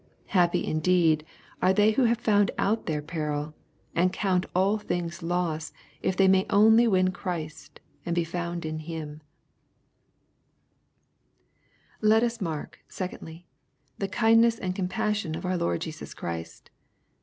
Happy indeed are they who have found out their peril, and count all things loss if they may only win Christ, and be found in Him I Let us mark, secondly, the kindness and compassion of our Lord Jesus Christ.